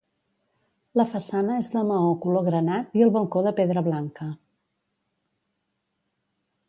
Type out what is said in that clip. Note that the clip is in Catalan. La façana és de maó color granat i el balcó de pedra blanca.